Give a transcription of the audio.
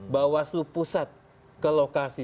bawaslu pusat ke lokasi